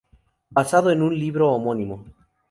Basado en un libro homónimo.